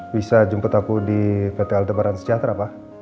bisa jemput aku di pt aldebaran sejahtera pak